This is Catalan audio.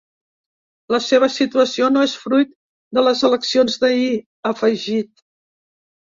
La seva situació no és fruit de les eleccions d’ahir, ha afegit.